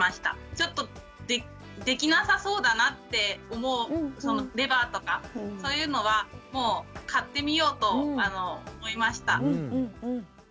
ちょっとできなさそうだなって思うレバーとかそういうのはもう買ってみようと思いました。